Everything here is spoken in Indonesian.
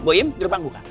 boem gerbang buka